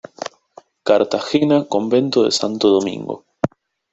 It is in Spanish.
Cartagena, Convento de Santo Domingo.